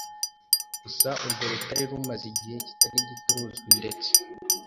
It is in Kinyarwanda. gusa urwo rutare rumaze igihe kitari gito ruzwi ndetse